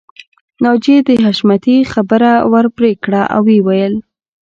ناجیې د حشمتي خبره ورپرې کړه او ويې ويل